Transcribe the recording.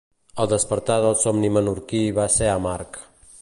El despertar del somni menorquí va ser amarg.